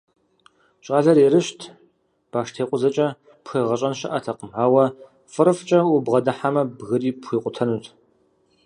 ЩӀалэр ерыщт, баштекъузэкӀэ пхуегъэщӀэн щыӀэтэкъым, ауэ фӀырыфӀкӀэ убгъэдыхьэмэ, бгыри пхуикъутэнут.